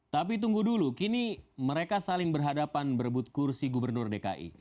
tapi tunggu dulu kini mereka saling berhadapan berebut kursi gubernur dki